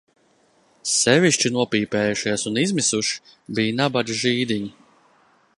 Sevišķi nopīpējušies un izmisuši bij nabaga žīdiņi.